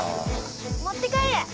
持って帰る！